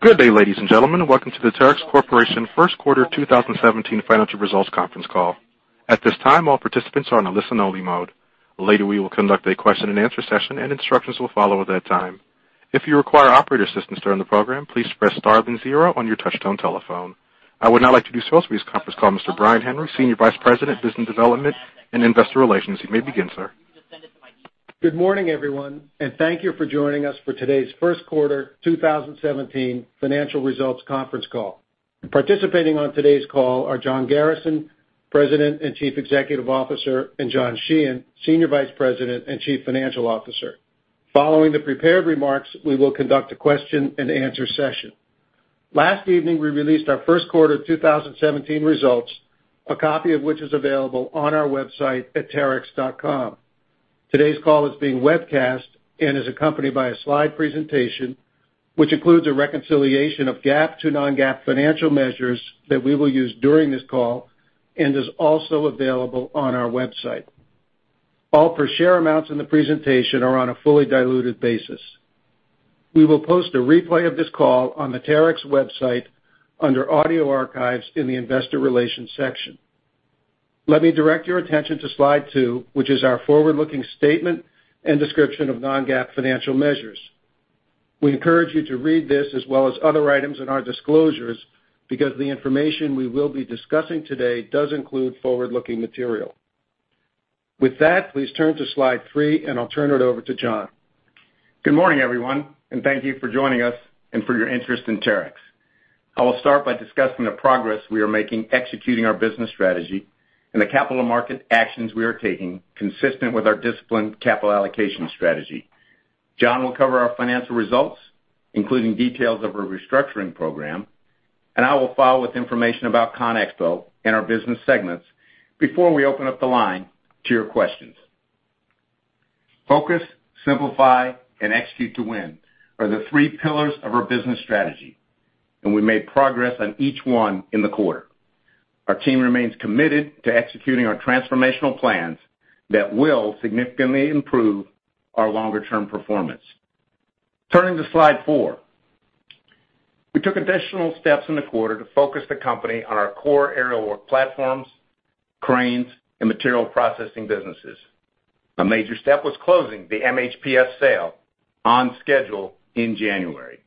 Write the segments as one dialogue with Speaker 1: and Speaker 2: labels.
Speaker 1: Good day, ladies and gentlemen. Welcome to the Terex Corporation First Quarter 2017 financial results conference call. At this time, all participants are in a listen-only mode. Later, we will conduct a question-and-answer session, and instructions will follow at that time. If you require operator assistance during the program, please press star and zero on your touchtone telephone. I would now like to introduce for this conference call Mr. Brian Henry, Senior Vice President, Business Development and Investor Relations. You may begin, sir.
Speaker 2: Good morning, everyone, thank you for joining us for today's first quarter 2017 financial results conference call. Participating on today's call are John Garrison, President and Chief Executive Officer, and John Sheehan, Senior Vice President and Chief Financial Officer. Following the prepared remarks, we will conduct a question-and-answer session. Last evening, we released our first quarter 2017 results, a copy of which is available on our website at terex.com. Today's call is being webcast and is accompanied by a slide presentation, which includes a reconciliation of GAAP to non-GAAP financial measures that we will use during this call and is also available on our website. All per share amounts in the presentation are on a fully diluted basis. We will post a replay of this call on the Terex website under Audio Archives in the Investor Relations section. Let me direct your attention to slide two, which is our forward-looking statement and description of non-GAAP financial measures. We encourage you to read this as well as other items in our disclosures because the information we will be discussing today does include forward-looking material. With that, please turn to slide three. I'll turn it over to John.
Speaker 3: Good morning, everyone, thank you for joining us and for your interest in Terex. I will start by discussing the progress we are making executing our business strategy, the capital market actions we are taking consistent with our disciplined capital allocation strategy. John will cover our financial results, including details of our restructuring program. I will follow with information about ConExpo and our business segments before we open up the line to your questions. Focus, simplify, and execute to win are the three pillars of our business strategy. We made progress on each one in the quarter. Our team remains committed to executing our transformational plans that will significantly improve our longer-term performance. Turning to slide four. We took additional steps in the quarter to focus the company on our core Aerial Work Platforms, Cranes, and Materials Processing businesses. A major step was closing the MHPS sale on schedule in January.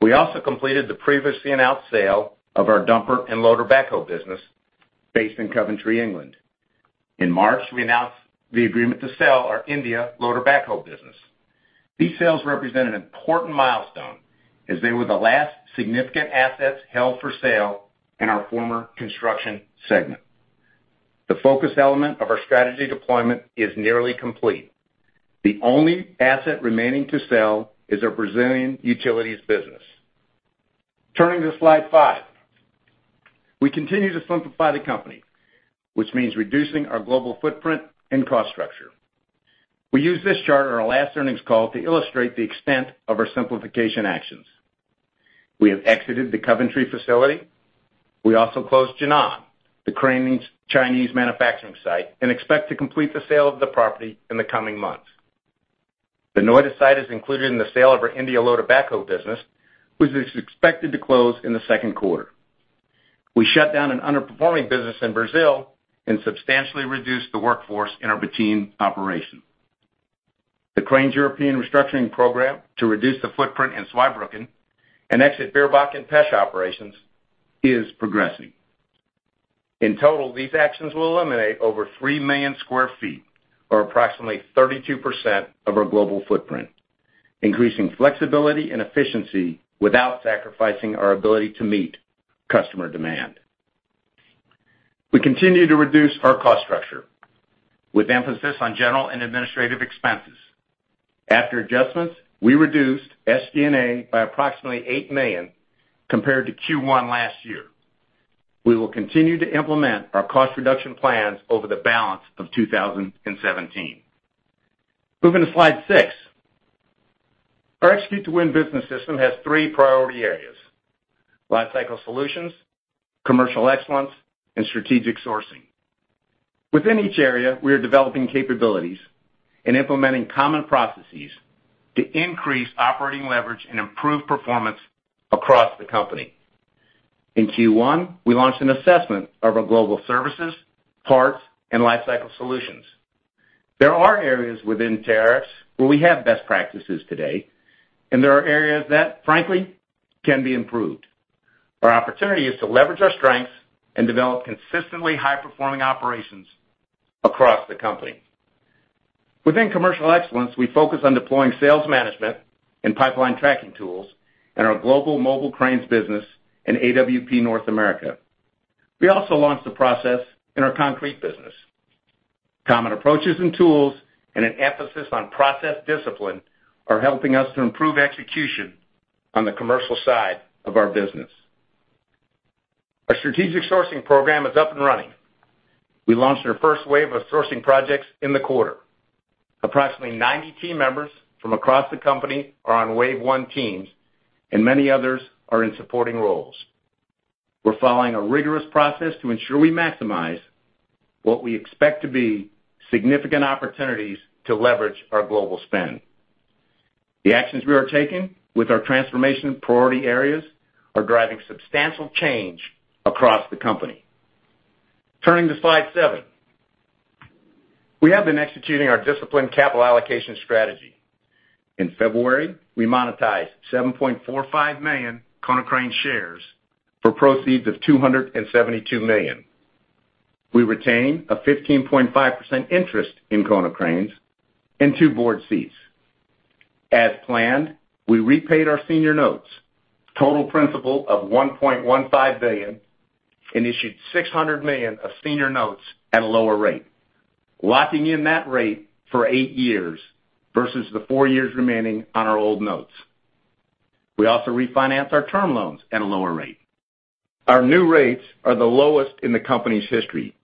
Speaker 3: We also completed the previously announced sale of our dumper and loader backhoe business based in Coventry, England. In March, we announced the agreement to sell our India loader backhoe business. These sales represent an important milestone as they were the last significant assets held for sale in our former construction segment. The focus element of our strategy deployment is nearly complete. The only asset remaining to sell is our Brazilian utilities business. Turning to slide five. We continue to simplify the company, which means reducing our global footprint and cost structure. We used this chart on our last earnings call to illustrate the extent of our simplification actions. We have exited the Coventry facility. We also closed Jinan, the cranes' Chinese manufacturing site, and expect to complete the sale of the property in the coming months. The Noida site is included in the sale of our India loader backhoe business, which is expected to close in the second quarter. We shut down an underperforming business in Brazil and substantially reduced the workforce in our Betim operation. The cranes European restructuring program to reduce the footprint in Zweibrücken and exit Bierbach and Pecs operations is progressing. In total, these actions will eliminate over 3 million sq ft or approximately 32% of our global footprint, increasing flexibility and efficiency without sacrificing our ability to meet customer demand. We continue to reduce our cost structure with emphasis on general and administrative expenses. After adjustments, we reduced SG&A by approximately $8 million compared to Q1 last year. We will continue to implement our cost reduction plans over the balance of 2017. Moving to slide six. Our Execute to Win business system has three priority areas, Lifecycle Solutions, Commercial Excellence, and Strategic Sourcing. Within each area, we are developing capabilities and implementing common processes to increase operating leverage and improve performance across the company. In Q1, we launched an assessment of our global services, parts, and Lifecycle Solutions. There are areas within Terex where we have best practices today, and there are areas that, frankly, can be improved. Our opportunity is to leverage our strengths and develop consistently high performing operations across the company. Within Commercial Excellence, we focus on deploying sales management and pipeline tracking tools in our global mobile cranes business in AWP North America. We also launched the process in our concrete business. Common approaches and tools and an emphasis on process discipline are helping us to improve execution on the commercial side of our business. Our Strategic Sourcing program is up and running. We launched our first wave of sourcing projects in the quarter. Approximately 90 team members from across the company are on wave 1 teams, and many others are in supporting roles. We're following a rigorous process to ensure we maximize what we expect to be significant opportunities to leverage our global spend. The actions we are taking with our Transformation Priority Areas are driving substantial change across the company. Turning to slide seven. We have been executing our disciplined capital allocation strategy. In February, we monetized 7.45 million Konecranes shares for proceeds of $272 million. We retain a 15.5% interest in Konecranes and two board seats. As planned, we repaid our senior notes, total principal of $1.15 billion and issued $600 million of senior notes at a lower rate, locking in that rate for eight years versus the four years remaining on our old notes. We also refinanced our term loans at a lower rate. Our new rates are the lowest in the company's history.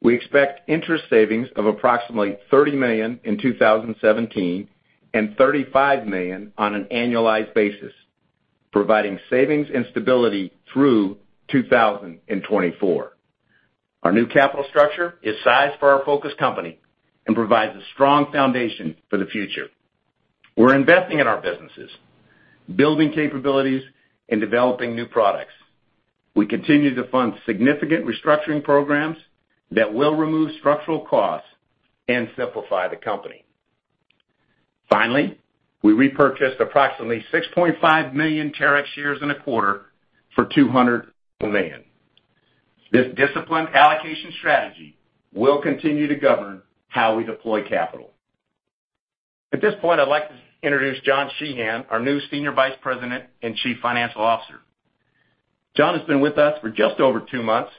Speaker 3: We expect interest savings of approximately $30 million in 2017 and $35 million on an annualized basis, providing savings and stability through 2024. Our new capital structure is sized for our focused company and provides a strong foundation for the future. We're investing in our businesses, building capabilities, and developing new products. We continue to fund significant restructuring programs that will remove structural costs and simplify the company. Finally, we repurchased approximately 6.5 million Terex shares in a quarter for $200 million. This disciplined allocation strategy will continue to govern how we deploy capital. At this point, I'd like to introduce John Sheehan, our new Senior Vice President and Chief Financial Officer. John has been with us for just over two months,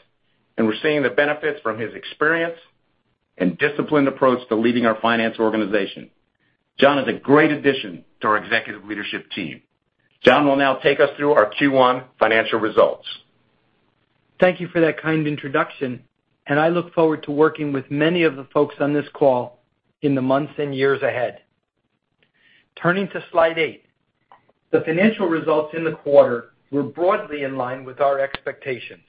Speaker 3: and we're seeing the benefits from his experience and disciplined approach to leading our finance organization. John is a great addition to our executive leadership team. John will now take us through our Q1 financial results.
Speaker 4: Thank you for that kind introduction, and I look forward to working with many of the folks on this call in the months and years ahead. Turning to slide eight. The financial results in the quarter were broadly in line with our expectations.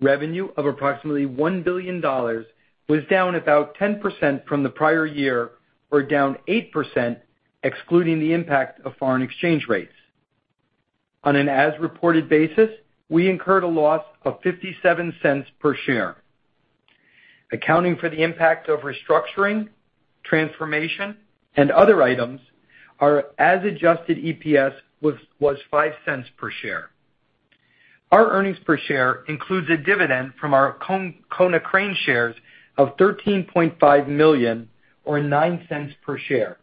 Speaker 4: Revenue of approximately $1 billion was down about 10% from the prior year or down 8% excluding the impact of foreign exchange rates. On an as-reported basis, we incurred a loss of $0.57 per share. Accounting for the impact of restructuring, transformation, and other items, our as adjusted EPS was $0.05 per share. Our earnings per share includes a dividend from our Konecranes shares of $13.5 million or $0.09 per share.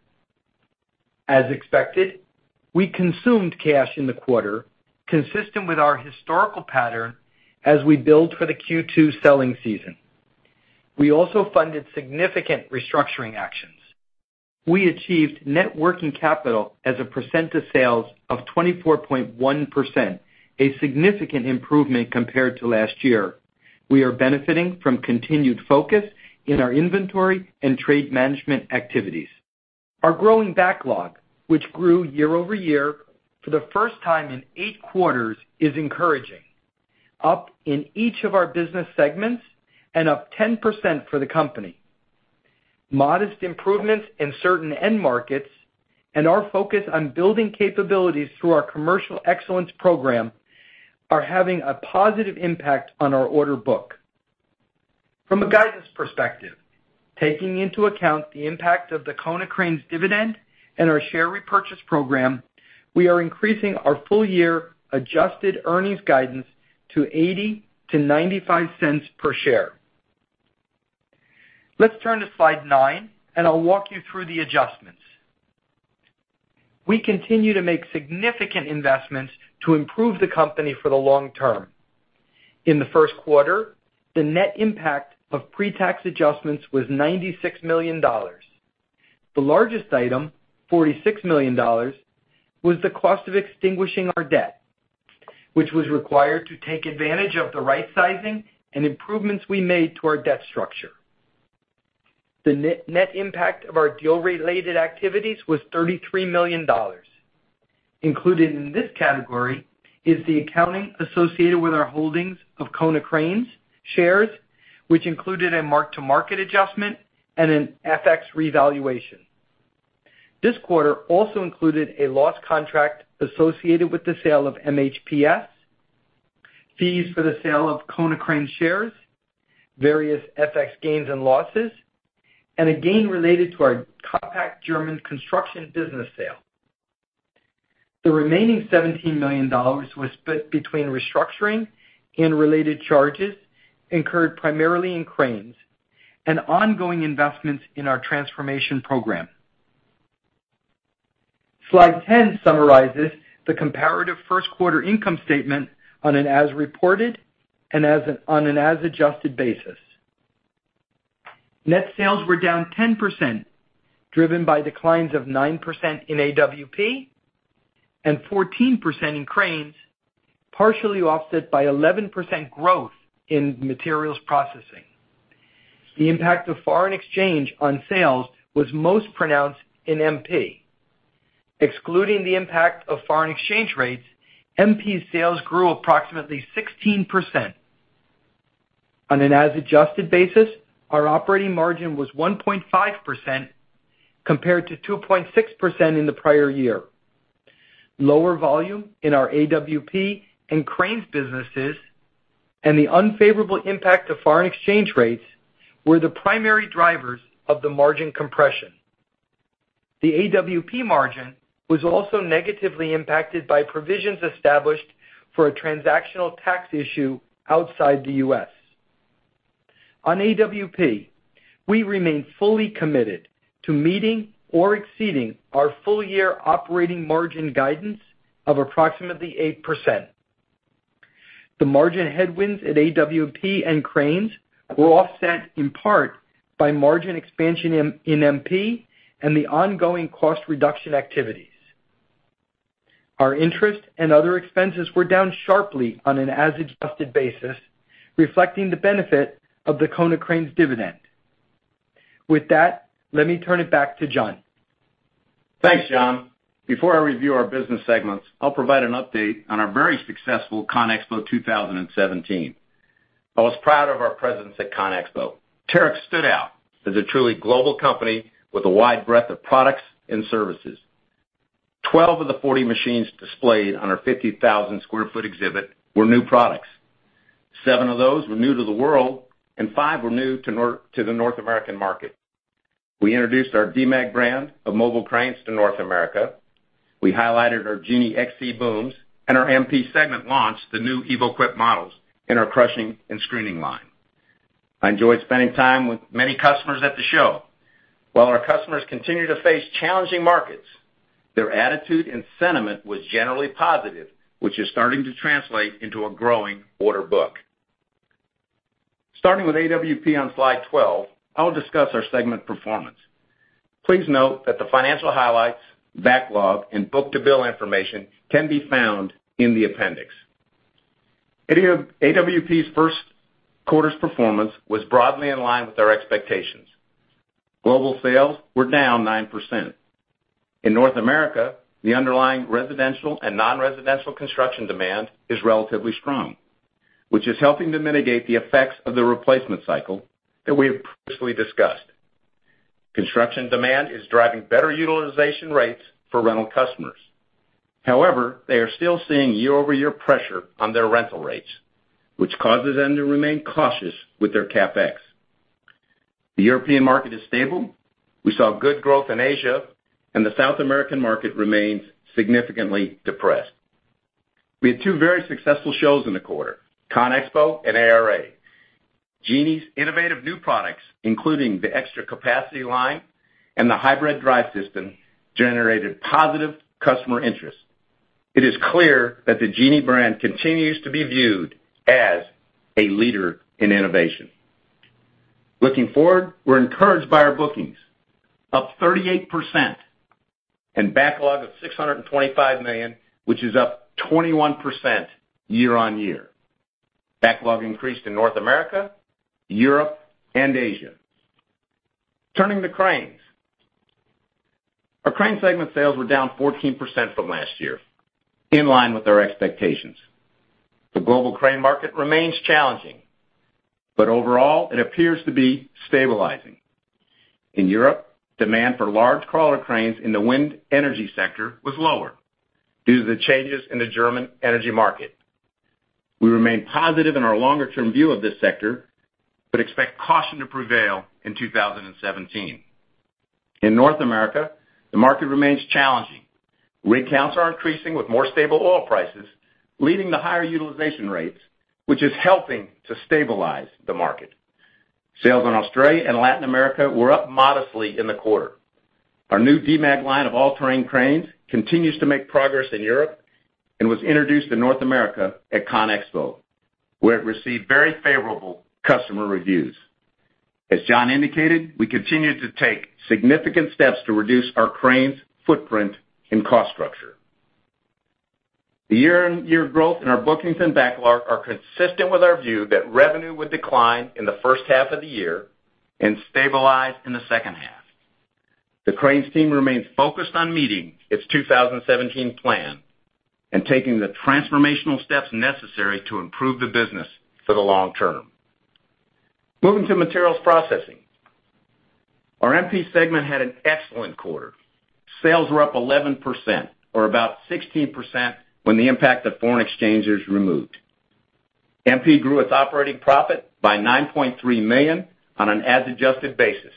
Speaker 4: As expected, we consumed cash in the quarter consistent with our historical pattern as we build for the Q2 selling season. We also funded significant restructuring actions. We achieved net working capital as a percent of sales of 24.1%, a significant improvement compared to last year. We are benefiting from continued focus in our inventory and trade management activities. Our growing backlog, which grew year-over-year for the first time in eight quarters, is encouraging. Up in each of our business segments and up 10% for the company. Modest improvements in certain end markets and our focus on building capabilities through our commercial excellence program are having a positive impact on our order book. From a guidance perspective, taking into account the impact of the Konecranes dividend and our share repurchase program, we are increasing our full year adjusted earnings guidance to $0.80-$0.95 per share. Let's turn to slide nine, and I'll walk you through the adjustments. We continue to make significant investments to improve the company for the long term. In the first quarter, the net impact of pre-tax adjustments was $96 million. The largest item, $46 million, was the cost of extinguishing our debt, which was required to take advantage of the right-sizing and improvements we made to our debt structure. The net impact of our deal-related activities was $33 million. Included in this category is the accounting associated with our holdings of Konecranes shares, which included a mark-to-market adjustment and an FX revaluation. This quarter also included a loss contract associated with the sale of MHPS, fees for the sale of Konecranes shares, various FX gains and losses, and a gain related to our Komptech German construction business sale. The remaining $17 million was split between restructuring and related charges incurred primarily in Cranes and ongoing investments in our transformation program. Slide 10 summarizes the comparative first quarter income statement on an as reported and on an as adjusted basis. Net sales were down 10%, driven by declines of 9% in AWP and 14% in Cranes, partially offset by 11% growth in Materials Processing. The impact of foreign exchange on sales was most pronounced in MP. Excluding the impact of foreign exchange rates, MP's sales grew approximately 16%. On an as-adjusted basis, our operating margin was 1.5% compared to 2.6% in the prior year. Lower volume in our AWP and Cranes businesses and the unfavorable impact of foreign exchange rates were the primary drivers of the margin compression. The AWP margin was also negatively impacted by provisions established for a transactional tax issue outside the U.S. On AWP, we remain fully committed to meeting or exceeding our full-year operating margin guidance of approximately 8%. The margin headwinds at AWP and Cranes were offset in part by margin expansion in MP and the ongoing cost reduction activities. Our interest and other expenses were down sharply on an as-adjusted basis, reflecting the benefit of the Konecranes dividend. With that, let me turn it back to John.
Speaker 3: Thanks, John. Before I review our business segments, I'll provide an update on our very successful ConExpo 2017. I was proud of our presence at ConExpo. Terex stood out as a truly global company with a wide breadth of products and services. 12 of the 40 machines displayed on our 50,000 square foot exhibit were new products. Seven of those were new to the world, and five were new to the North American market. We introduced our Demag brand of mobile cranes to North America. We highlighted our Genie XC booms, and our MP segment launched the new EvoQuip models in our crushing and screening line. I enjoyed spending time with many customers at the show. While our customers continue to face challenging markets, their attitude and sentiment was generally positive, which is starting to translate into a growing order book. Starting with AWP on slide 12, I'll discuss our segment performance. Please note that the financial highlights, backlog, and book-to-bill information can be found in the appendix. AWP's first quarter's performance was broadly in line with our expectations. Global sales were down 9%. In North America, the underlying residential and non-residential construction demand is relatively strong, which is helping to mitigate the effects of the replacement cycle that we have previously discussed. Construction demand is driving better utilization rates for rental customers. However, they are still seeing year-over-year pressure on their rental rates, which causes them to remain cautious with their CapEx. The European market is stable. We saw good growth in Asia, and the South American market remains significantly depressed. We had two very successful shows in the quarter, ConExpo and ARA. Genie's innovative new products, including the extra capacity line and the hybrid drive system, generated positive customer interest. It is clear that the Genie brand continues to be viewed as a leader in innovation. Looking forward, we're encouraged by our bookings, up 38%, and backlog of $625 million, which is up 21% year-on-year. Backlog increased in North America, Europe, and Asia. Turning to Cranes. Our Cranes segment sales were down 14% from last year, in line with our expectations. The global crane market remains challenging, but overall, it appears to be stabilizing. In Europe, demand for large crawler cranes in the wind energy sector was lower due to the changes in the German energy market. We remain positive in our longer-term view of this sector, but expect caution to prevail in 2017. In North America, the market remains challenging. Rig counts are increasing with more stable oil prices, leading to higher utilization rates, which is helping to stabilize the market. Sales in Australia and Latin America were up modestly in the quarter. Our new Demag line of all-terrain cranes continues to make progress in Europe and was introduced in North America at ConExpo, where it received very favorable customer reviews. As John indicated, we continue to take significant steps to reduce our Cranes footprint and cost structure. The year-on-year growth in our bookings and backlog are consistent with our view that revenue would decline in the first half of the year and stabilize in the second half. The Cranes team remains focused on meeting its 2017 plan and taking the transformational steps necessary to improve the business for the long term. Moving to Materials Processing. Our MP segment had an excellent quarter. Sales were up 11%, or about 16% when the impact of foreign exchange is removed. MP grew its operating profit by $9.3 million on an as-adjusted basis,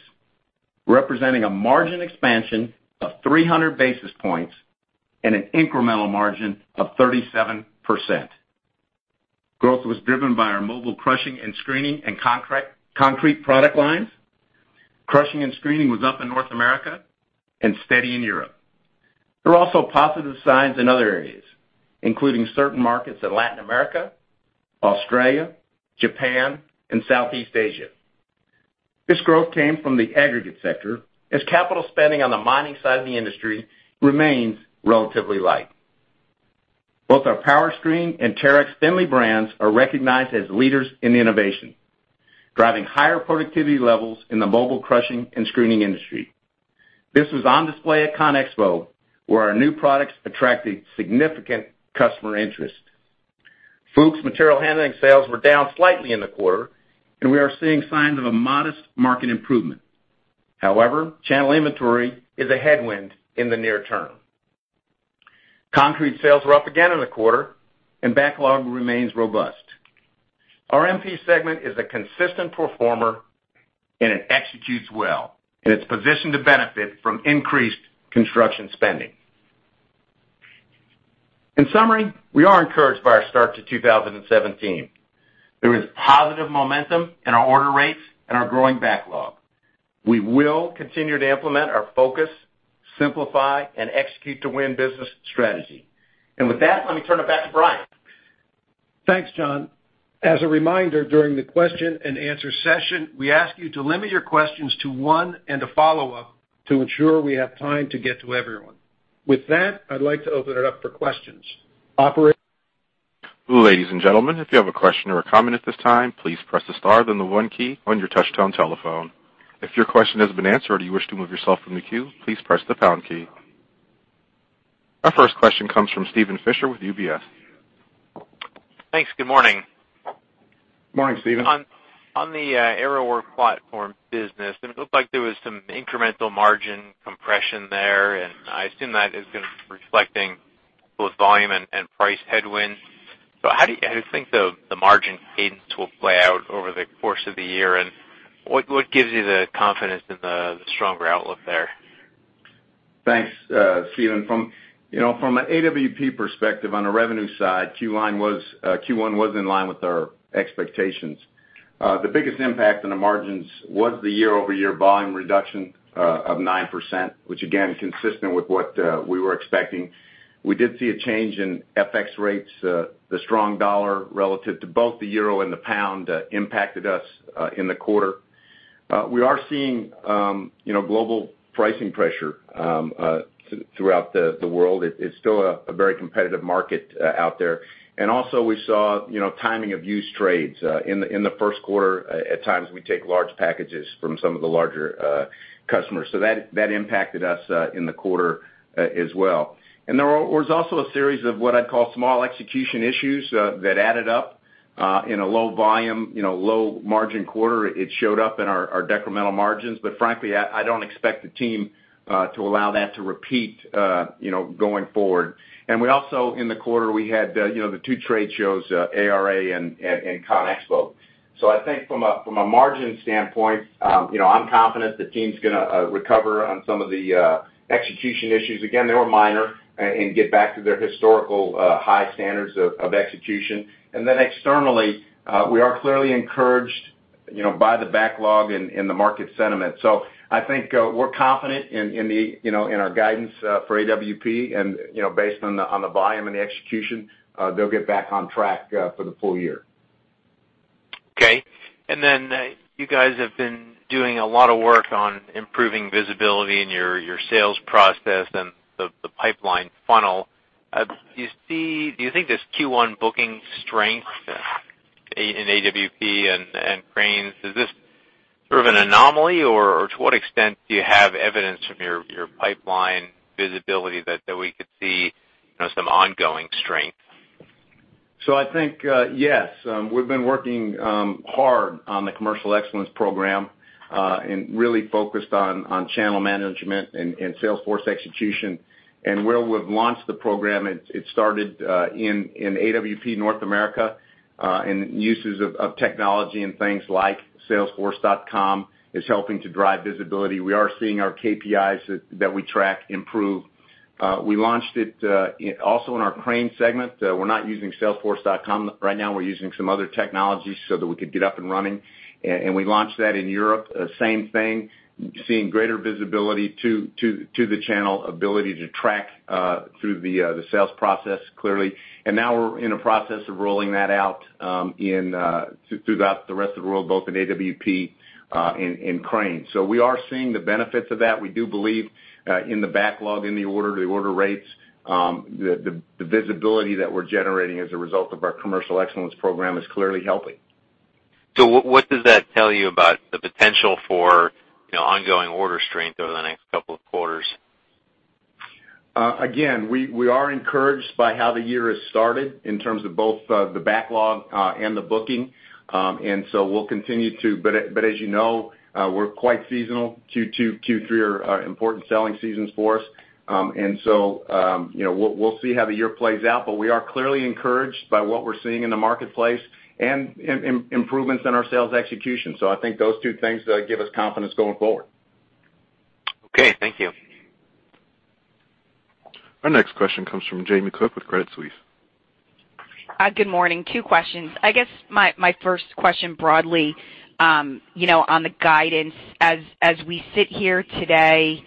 Speaker 3: representing a margin expansion of 300 basis points and an incremental margin of 37%. Growth was driven by our mobile crushing and screening and concrete product lines. Crushing and screening was up in North America and steady in Europe. There were also positive signs in other areas, including certain markets in Latin America, Australia, Japan, and Southeast Asia. This growth came from the aggregate sector, as capital spending on the mining side of the industry remains relatively light. Both our Powerscreen and Terex Finlay brands are recognized as leaders in innovation, driving higher productivity levels in the mobile crushing and screening industry. This was on display at ConExpo, where our new products attracted significant customer interest. Fuchs material handling sales were down slightly in the quarter. We are seeing signs of a modest market improvement. However, channel inventory is a headwind in the near term. Concrete sales were up again in the quarter and backlog remains robust. Our MP segment is a consistent performer, and it executes well, and it's positioned to benefit from increased construction spending. In summary, we are encouraged by our start to 2017. There is positive momentum in our order rates and our growing backlog. We will continue to implement our focus, simplify, and execute to win business strategy. With that, let me turn it back to Brian.
Speaker 2: Thanks, John. As a reminder, during the question and answer session, we ask you to limit your questions to one and a follow-up to ensure we have time to get to everyone. With that, I'd like to open it up for questions. Operator?
Speaker 1: Ladies and gentlemen, if you have a question or a comment at this time, please press the star, then the one key on your touch-tone telephone. If your question has been answered or you wish to remove yourself from the queue, please press the pound key. Our first question comes from Steven Fisher with UBS.
Speaker 5: Thanks. Good morning.
Speaker 3: Morning, Steven.
Speaker 5: On the Aerial Work Platforms business, it looked like there was some incremental margin compression there. I assume that is going to be reflecting both volume and price headwinds. How do you think the margin cadence will play out over the course of the year, and what gives you the confidence in the stronger outlook there?
Speaker 3: Thanks, Steven. From an AWP perspective, on the revenue side, Q1 was in line with our expectations. The biggest impact on the margins was the year-over-year volume reduction of 9%, which again, is consistent with what we were expecting. We did see a change in FX rates. The strong dollar relative to both the euro and the pound impacted us in the quarter. We are seeing global pricing pressure throughout the world. It's still a very competitive market out there. Also we saw timing of used trades. In the first quarter, at times we take large packages from some of the larger customers. That impacted us in the quarter as well. There was also a series of what I'd call small execution issues that added up in a low volume, low margin quarter. It showed up in our decremental margins. Frankly, I don't expect the team to allow that to repeat going forward. We also, in the quarter, we had the two trade shows, ARA and ConExpo. I think from a margin standpoint, I'm confident the team's going to recover on some of the execution issues, again, they were minor, and get back to their historical high standards of execution. Then externally, we are clearly encouraged by the backlog and the market sentiment. I think we're confident in our guidance for AWP and based on the volume and the execution, they'll get back on track for the full year.
Speaker 5: Okay. Then you guys have been doing a lot of work on improving visibility in your sales process and the pipeline funnel. Do you think this Q1 booking strength in AWP and Cranes, is this sort of an anomaly, or to what extent do you have evidence from your pipeline visibility that we could see some ongoing strength?
Speaker 3: I think, yes. We've been working hard on the Commercial Excellence program, and really focused on channel management and sales force execution. Where we've launched the program, it started in AWP North America, and uses of technology and things like Salesforce.com is helping to drive visibility. We are seeing our KPIs that we track improve. We launched it also in our Crane segment. We're not using Salesforce.com right now. We're using some other technologies so that we could get up and running. We launched that in Europe, same thing, seeing greater visibility to the channel ability to track through the sales process clearly. Now we're in a process of rolling that out throughout the rest of the world, both in AWP and Crane. We are seeing the benefits of that. We do believe in the backlog, in the order rates, the visibility that we're generating as a result of our Commercial Excellence program is clearly helping.
Speaker 5: What does that tell you about the potential for ongoing order strength over the next couple of quarters?
Speaker 3: We are encouraged by how the year has started in terms of both the backlog and the booking. We'll continue to, as you know, we're quite seasonal. Q2, Q3 are important selling seasons for us. We'll see how the year plays out, we are clearly encouraged by what we're seeing in the marketplace and improvements in our sales execution. I think those two things give us confidence going forward.
Speaker 5: Okay, thank you.
Speaker 1: Our next question comes from Jamie Cook with Credit Suisse.
Speaker 6: Good morning. Two questions. I guess my first question broadly, on the guidance as we sit here today.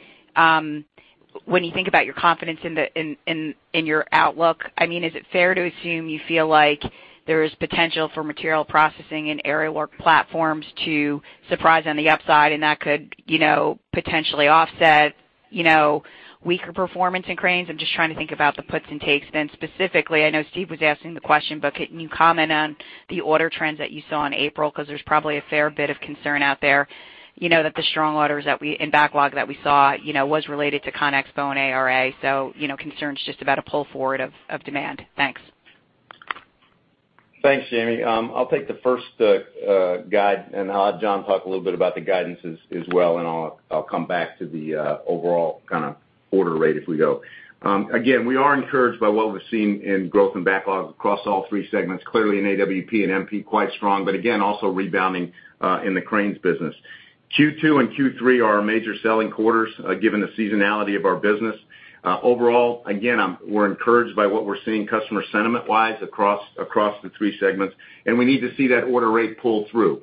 Speaker 6: When you think about your confidence in your outlook, is it fair to assume you feel like there is potential for Materials Processing and Aerial Work Platforms to surprise on the upside, and that could potentially offset weaker performance in cranes? I'm just trying to think about the puts and takes. Specifically, I know Steve was asking the question, can you comment on the order trends that you saw in April? There's probably a fair bit of concern out there that the strong orders in backlog that we saw was related to ConExpo and ARA, concerns just about a pull forward of demand. Thanks.
Speaker 3: Thanks, Jamie. I'll take the first guide. I'll have John talk a little bit about the guidance as well. I'll come back to the overall order rate as we go. We are encouraged by what we're seeing in growth and backlog across all three segments. Clearly in AWP and MP, quite strong, but also rebounding in the cranes business. Q2 and Q3 are our major selling quarters, given the seasonality of our business. We're encouraged by what we're seeing customer sentiment wise across the three segments, and we need to see that order rate pull through.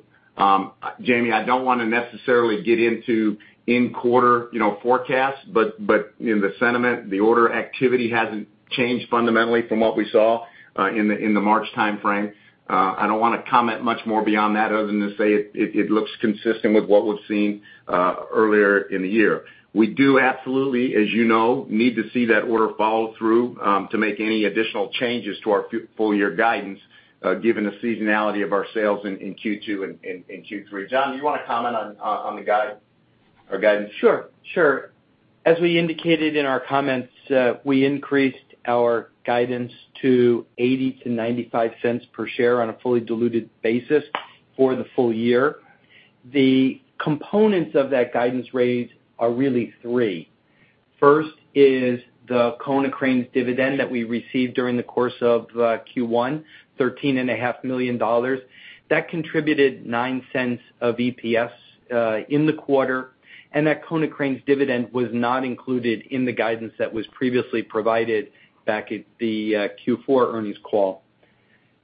Speaker 3: Jamie, I don't want to necessarily get into in-quarter forecasts. The sentiment, the order activity hasn't changed fundamentally from what we saw in the March timeframe. I don't want to comment much more beyond that other than to say it looks consistent with what we've seen earlier in the year. We do absolutely, as you know, need to see that order follow through to make any additional changes to our full year guidance, given the seasonality of our sales in Q2 and Q3. John, do you want to comment on the guide or guidance?
Speaker 4: Sure. As we indicated in our comments, we increased our guidance to $0.80-$0.95 per share on a fully diluted basis for the full year. The components of that guidance raise are really three. First is the Konecranes dividend that we received during the course of Q1, $13.5 million. That contributed $0.09 of EPS in the quarter. That Konecranes dividend was not included in the guidance that was previously provided back at the Q4 earnings call.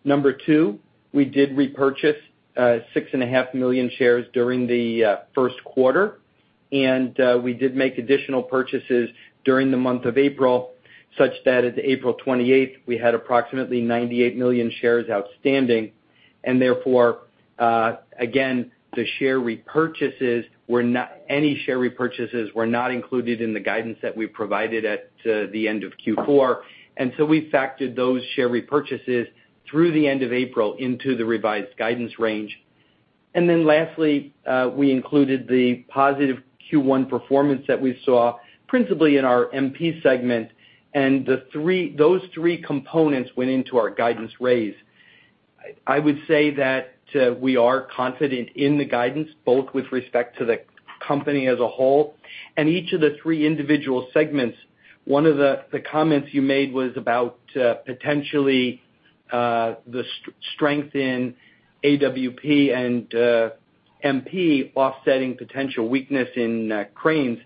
Speaker 4: We did repurchase 6.5 million shares during the first quarter. We did make additional purchases during the month of April, such that as of April 28th, we had approximately 98 million shares outstanding. Any share repurchases were not included in the guidance that we provided at the end of Q4. We factored those share repurchases through the end of April into the revised guidance range. Lastly, we included the positive Q1 performance that we saw principally in our MP segment. Those three components went into our guidance raise. I would say that we are confident in the guidance, both with respect to the company as a whole and each of the three individual segments. One of the comments you made was about potentially the strength in AWP and MP offsetting potential weakness in cranes.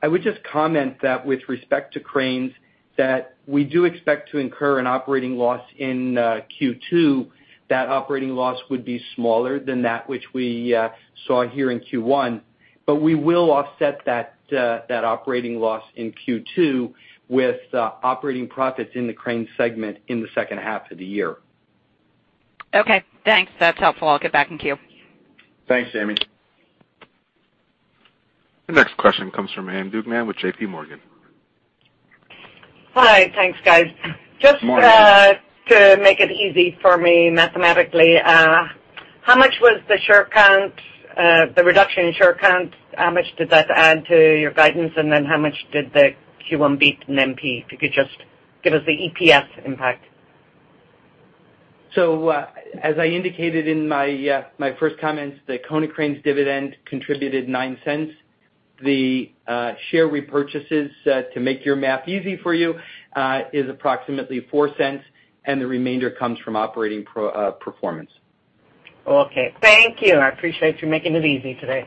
Speaker 4: I would just comment that with respect to cranes, that we do expect to incur an operating loss in Q2. That operating loss would be smaller than that which we saw here in Q1. We will offset that operating loss in Q2 with operating profits in the crane segment in the second half of the year.
Speaker 6: Okay, thanks. That's helpful. I'll get back in queue.
Speaker 3: Thanks, Jamie.
Speaker 1: The next question comes from Ann Duignan with J.P. Morgan.
Speaker 7: Hi. Thanks, guys.
Speaker 3: Morning.
Speaker 7: Just to make it easy for me mathematically, how much was the reduction in share count? How much did that add to your guidance, and then how much did the Q1 beat in MP? If you could just give us the EPS impact.
Speaker 4: As I indicated in my first comments, the Konecranes dividend contributed $0.09. The share repurchases, to make your math easy for you, is approximately $0.04, and the remainder comes from operating performance.
Speaker 7: Thank you. I appreciate you making it easy today.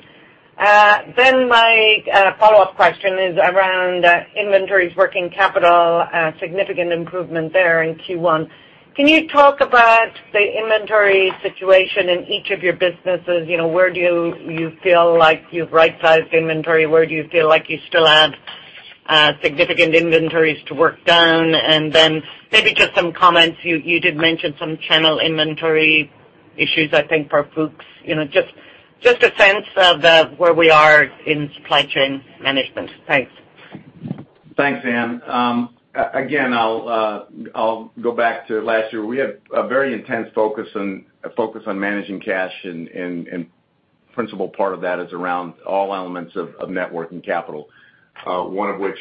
Speaker 7: My follow-up question is around inventories, working capital, significant improvement there in Q1. Can you talk about the inventory situation in each of your businesses? Where do you feel like you've right-sized inventory? Where do you feel like you still have significant inventories to work down? Maybe just some comments. You did mention some channel inventory issues, I think, for Fuchs. Just a sense of where we are in supply chain management. Thanks.
Speaker 3: I'll go back to last year. We had a very intense focus on managing cash, a principal part of that is around all elements of net working capital. One of which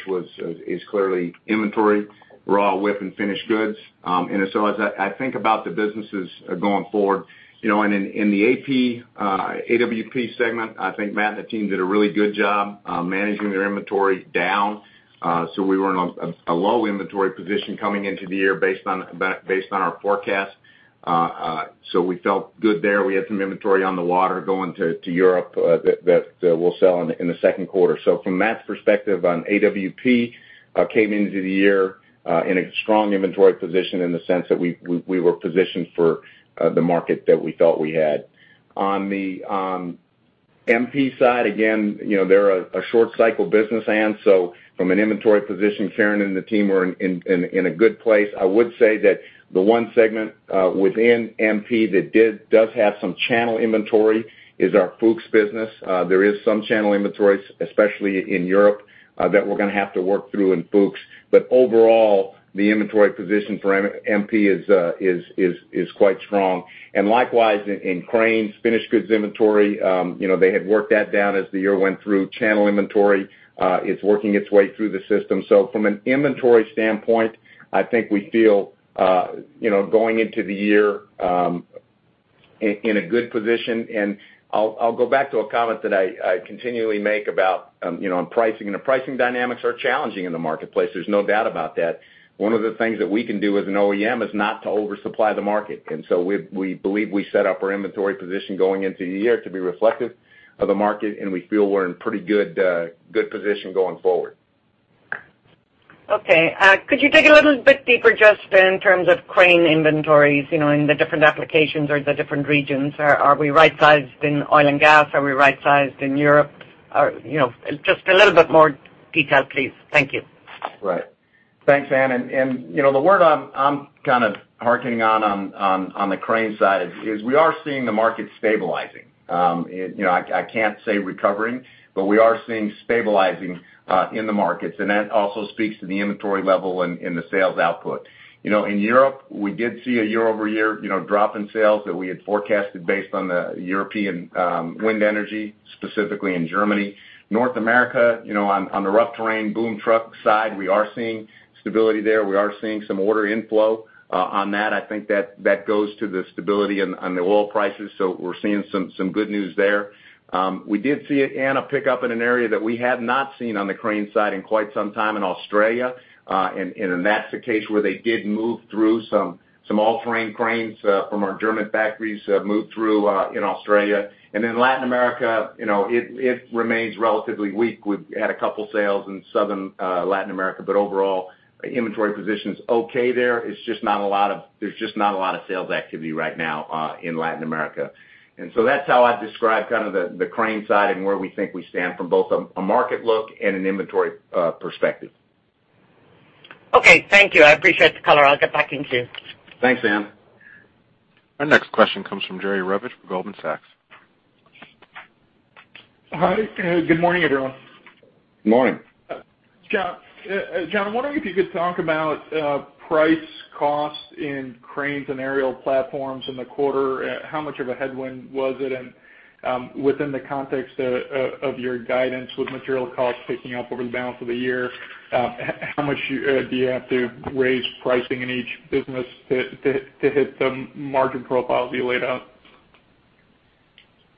Speaker 3: is clearly inventory, raw, WIP, and finished goods. As I think about the businesses going forward, in the AWP segment, I think Matt and the team did a really good job managing their inventory down. We were in a low inventory position coming into the year based on our forecast. We felt good there. We had some inventory on the water going to Europe that we'll sell in the second quarter. From Matt's perspective on AWP, came into the year in a strong inventory position in the sense that we were positioned for the market that we thought we had. On the MP side, they're a short cycle business, Ann, so from an inventory position, Kieran and the team are in a good place. I would say that the one segment within MP that does have some channel inventory is our Fuchs business. There is some channel inventory, especially in Europe, that we're going to have to work through in Fuchs. Overall, the inventory position for MP is quite strong. Likewise, in Cranes, finished goods inventory, they had worked that down as the year went through. Channel inventory is working its way through the system. From an inventory standpoint, I think we feel going into the year in a good position. I'll go back to a comment that I continually make about pricing, and the pricing dynamics are challenging in the marketplace, there's no doubt about that. One of the things that we can do as an OEM is not to oversupply the market. We believe we set up our inventory position going into the year to be reflective of the market, and we feel we're in pretty good position going forward.
Speaker 7: Okay. Could you dig a little bit deeper just in terms of Crane inventories, in the different applications or the different regions? Are we right-sized in oil and gas? Are we right-sized in Europe? Just a little bit more detail, please. Thank you.
Speaker 3: Thanks, Ann. The word I'm kind of harkening on the Cranes side is, we are seeing the market stabilizing. I can't say recovering, but we are seeing stabilizing in the markets, and that also speaks to the inventory level and the sales output. In Europe, we did see a year-over-year drop in sales that we had forecasted based on the European wind energy, specifically in Germany. North America, on the rough terrain boom truck side, we are seeing stability there. We are seeing some order inflow on that. I think that goes to the stability on the oil prices. We're seeing some good news there. We did see, Ann, a pickup in an area that we had not seen on the Cranes side in quite some time in Australia, that's the case where they did move through some all-terrain cranes from our German factories moved through in Australia. In Latin America, it remains relatively weak. We've had a couple sales in Southern Latin America, but overall, inventory position's okay there. There's just not a lot of sales activity right now in Latin America. That's how I'd describe kind of the Cranes side and where we think we stand from both a market look and an inventory perspective.
Speaker 7: Okay. Thank you. I appreciate the color. I'll get back in queue.
Speaker 3: Thanks, Ann.
Speaker 1: Our next question comes from Jerry Revich from Goldman Sachs.
Speaker 8: Hi. Good morning, everyone.
Speaker 3: Morning.
Speaker 8: John, I'm wondering if you could talk about price costs in Cranes and Aerial Platforms in the quarter. How much of a headwind was it? Within the context of your guidance with material costs ticking up over the balance of the year, how much do you have to raise pricing in each business to hit the margin profiles you laid out?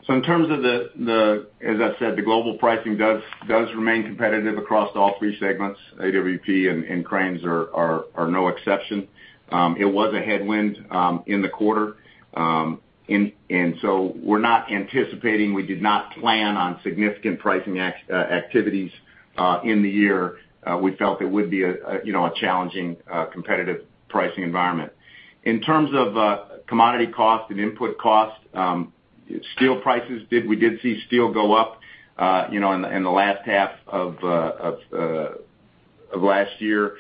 Speaker 3: In terms of the, as I said, the global pricing does remain competitive across all three segments. AWP and Cranes are no exception. It was a headwind in the quarter. We did not plan on significant pricing activities in the year. We felt it would be a challenging, competitive pricing environment. In terms of commodity cost and input cost, steel prices, we did see steel go up in the last half of last year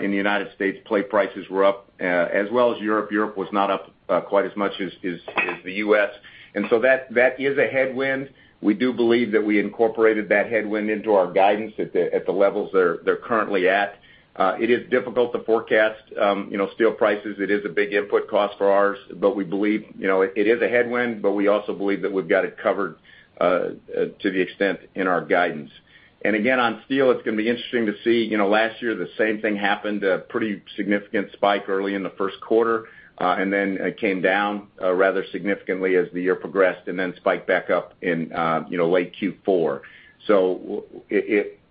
Speaker 3: in the U.S. Plate prices were up, as well as Europe. Europe was not up quite as much as the U.S. That is a headwind. We do believe that we incorporated that headwind into our guidance at the levels they're currently at. It is difficult to forecast steel prices. It is a big input cost for ours. It is a headwind, we also believe that we've got it covered to the extent in our guidance. Again, on steel, it's going to be interesting to see. Last year, the same thing happened, a pretty significant spike early in the first quarter, then it came down rather significantly as the year progressed, then spiked back up in late Q4.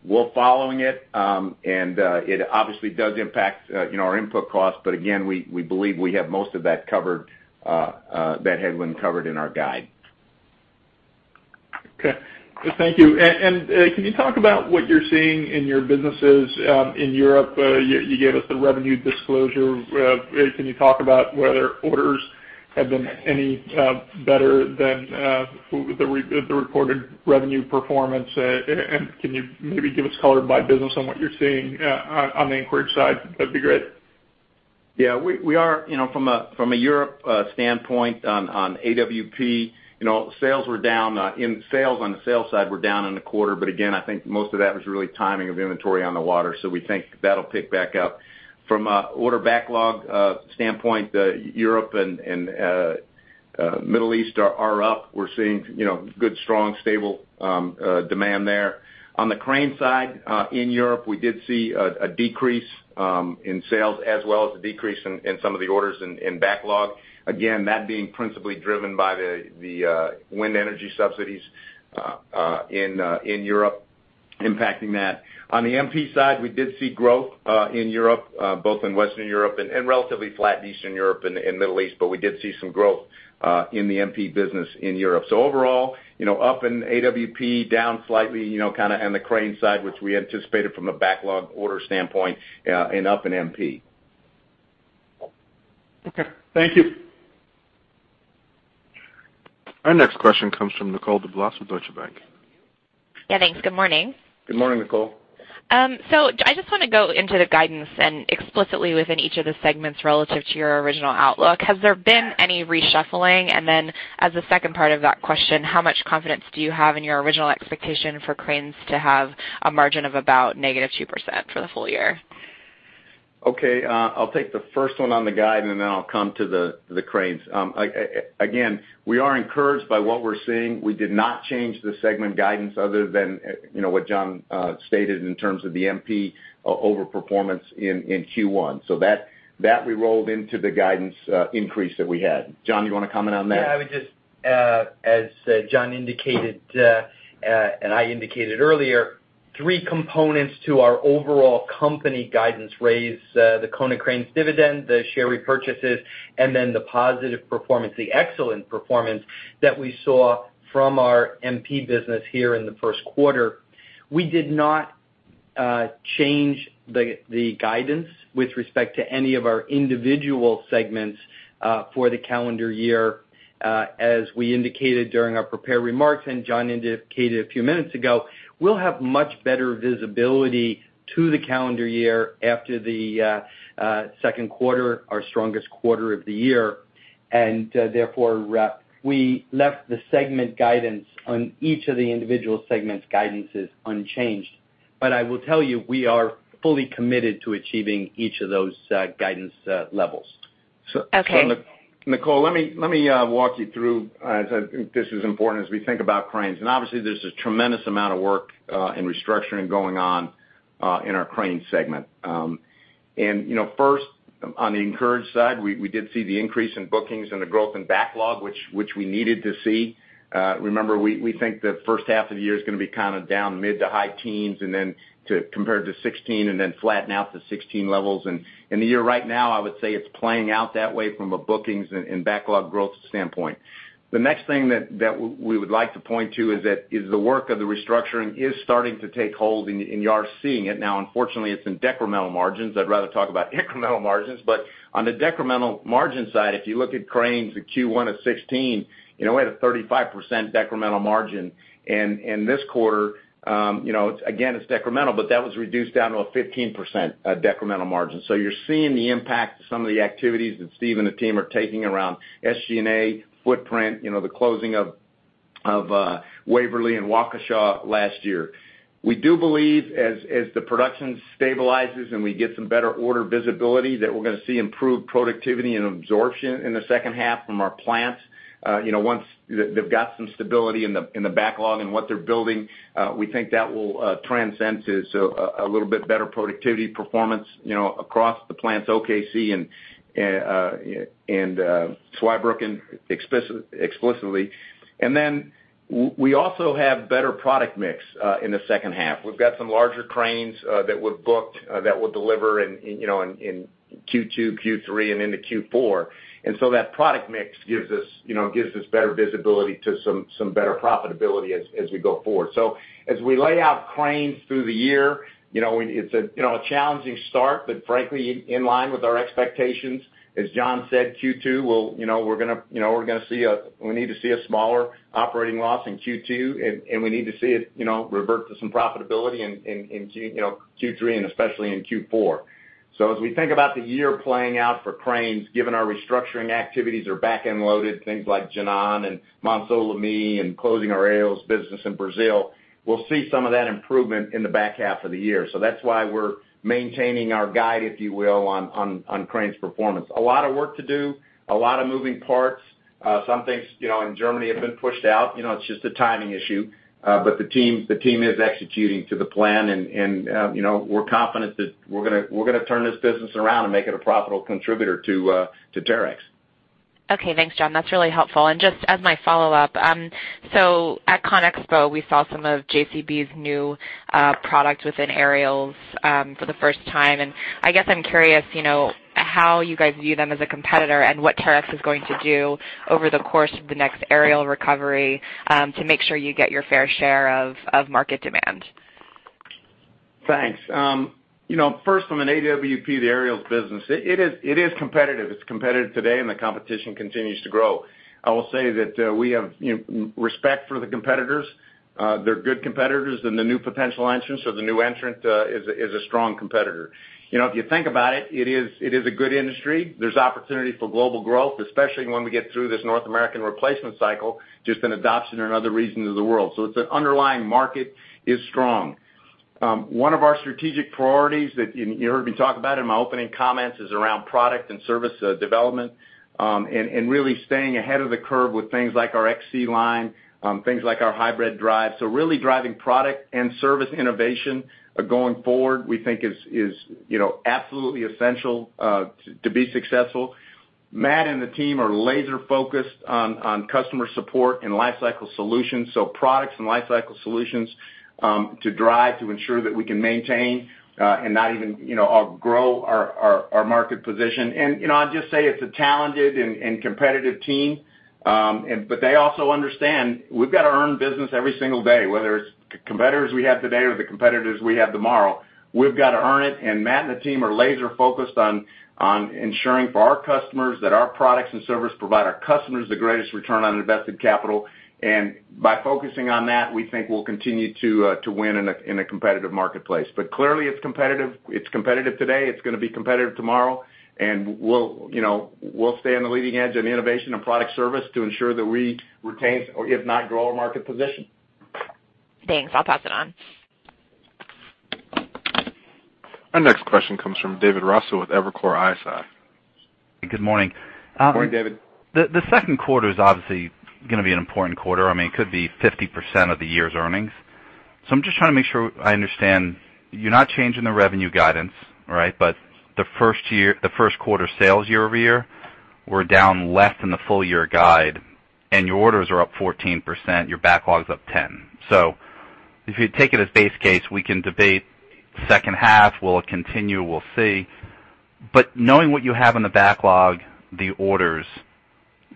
Speaker 3: We're following it obviously does impact our input cost. Again, we believe we have most of that headwind covered in our guide.
Speaker 8: Okay. Thank you. Can you talk about what you're seeing in your businesses in Europe? You gave us the revenue disclosure. Can you talk about whether orders have been any better than the reported revenue performance? Can you maybe give us color by business on what you're seeing on the inquiry side? That'd be great.
Speaker 3: Yeah. From a Europe standpoint on AWP, sales on the sales side were down in the quarter. Again, I think most of that was really timing of inventory on the water. We think that'll pick back up. From a order backlog standpoint, Europe and Middle East are up. We're seeing good, strong, stable demand there. On the Crane side, in Europe, we did see a decrease in sales as well as a decrease in some of the orders in backlog. Again, that being principally driven by the wind energy subsidies in Europe impacting that. On the MP side, we did see growth in Europe, both in Western Europe and relatively flat Eastern Europe and Middle East, we did see some growth in the MP business in Europe. Overall, up in AWP, down slightly on the Crane side, which we anticipated from a backlog order standpoint, and up in MP. Okay. Thank you.
Speaker 1: Our next question comes from Nicole DeBlase with Deutsche Bank.
Speaker 9: Yeah, thanks. Good morning.
Speaker 3: Good morning, Nicole.
Speaker 9: I just want to go into the guidance and explicitly within each of the segments relative to your original outlook. Has there been any reshuffling? And then as a second part of that question, how much confidence do you have in your original expectation for Cranes to have a margin of about negative 2% for the full year?
Speaker 3: Okay. I'll take the first one on the guide, then I'll come to the Cranes. Again, we are encouraged by what we're seeing. We did not change the segment guidance other than what John stated in terms of the Materials Processing over-performance in Q1. That we rolled into the guidance increase that we had. John, you want to comment on that?
Speaker 4: Yeah, as John indicated, and I indicated earlier, three components to our overall company guidance raise the Konecranes dividend, the share repurchases, and then the positive performance, the excellent performance that we saw from our Materials Processing business here in the first quarter. We did not change the guidance with respect to any of our individual segments for the calendar year. As we indicated during our prepared remarks, and John indicated a few minutes ago, we'll have much better visibility to the calendar year after the second quarter, our strongest quarter of the year. Therefore, we left the segment guidance on each of the individual segments guidances unchanged. I will tell you, we are fully committed to achieving each of those guidance levels.
Speaker 9: Okay.
Speaker 3: Nicole, let me walk you through, this is important as we think about Cranes. Obviously there's a tremendous amount of work and restructuring going on in our Cranes segment. First, on the encouraged side, we did see the increase in bookings and the growth in backlog, which we needed to see. Remember, we think the first half of the year is going to be kind of down mid to high teens compared to 2016, then flatten out to 2016 levels. In the year right now, I would say it's playing out that way from a bookings and backlog growth standpoint. The next thing that we would like to point to is the work of the restructuring is starting to take hold, and you are seeing it. Now, unfortunately, it's in decremental margins. I'd rather talk about incremental margins, but on the decremental margin side, if you look at Cranes at Q1 of 2016, we had a 35% decremental margin. This quarter, again, it's decremental, but that was reduced down to a 15% decremental margin. You're seeing the impact of some of the activities that Steve and the team are taking around SGA, footprint, the closing of Waverly and Waukesha last year. We do believe as the production stabilizes and we get some better order visibility, that we're going to see improved productivity and absorption in the second half from our plants. Once they've got some stability in the backlog and what they're building, we think that will transcend to a little bit better productivity performance across the plants, OKC and Zweibrücken explicitly. Then we also have better product mix in the second half. We've got some larger cranes that we'll deliver in Q2, Q3 and into Q4. That product mix gives us better visibility to some better profitability as we go forward. As we lay out Cranes through the year, it's a challenging start, but frankly, in line with our expectations. As John said, Q2 we need to see a smaller operating loss in Q2, and we need to see it revert to some profitability in Q3 and especially in Q4. As we think about the year playing out for Cranes, given our restructuring activities are back-end loaded, things like Jinan and Montceau-les-Mines and closing our Aerials business in Brazil, we'll see some of that improvement in the back half of the year. That's why we're maintaining our guide, if you will, on Cranes performance. A lot of work to do, a lot of moving parts. Some things in Germany have been pushed out. It's just a timing issue. The team is executing to the plan, and we're confident that we're going to turn this business around and make it a profitable contributor to Terex.
Speaker 9: Okay. Thanks, John. That's really helpful. Just as my follow-up, at ConExpo, we saw some of JCB's new product within Aerials for the first time. I guess I'm curious, how you guys view them as a competitor and what Terex is going to do over the course of the next Aerial recovery to make sure you get your fair share of market demand.
Speaker 3: Thanks. First, from an AWP, the Aerials business, it is competitive. It's competitive today, and the competition continues to grow. I will say that we have respect for the competitors. They're good competitors, and the new potential entrants or the new entrant is a strong competitor. If you think about it is a good industry. There's opportunity for global growth, especially when we get through this North American replacement cycle, just in adoption or in other regions of the world. Its underlying market is strong. One of our strategic priorities that you heard me talk about in my opening comments is around product and service development, and really staying ahead of the curve with things like our XC line, things like our hybrid drive. Really driving product and service innovation going forward, we think is absolutely essential to be successful. Matt and the team are laser-focused on customer support and lifecycle solutions, so products and lifecycle solutions to drive to ensure that we can maintain and not even grow our market position. I'll just say it's a talented and competitive team. They also understand we've got to earn business every single day, whether it's The competitors we have today are the competitors we have tomorrow. We've got to earn it, and Matt and the team are laser-focused on ensuring for our customers that our products and service provide our customers the greatest return on invested capital. By focusing on that, we think we'll continue to win in a competitive marketplace. Clearly, it's competitive. It's competitive today, it's going to be competitive tomorrow, and we'll stay on the leading edge in innovation and product service to ensure that we retain, if not grow our market position.
Speaker 9: Thanks. I'll pass it on.
Speaker 1: Our next question comes from David Raso with Evercore ISI.
Speaker 10: Good morning.
Speaker 3: Good morning, David.
Speaker 10: The second quarter is obviously going to be an important quarter. It could be 50% of the year's earnings. I'm just trying to make sure I understand. You're not changing the revenue guidance, right? The first quarter sales year-over-year were down less than the full-year guide, your orders are up 14%, your backlog's up 10%. If you take it as base case, we can debate second half. Will it continue? We'll see. Knowing what you have in the backlog, the orders,